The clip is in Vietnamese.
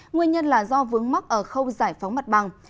nguyên nhân là do vướng mắc ở khâu giải phóng mặt bằng